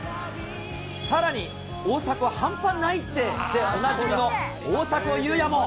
さらに、大迫半端ないってでおなじみの大迫勇也も。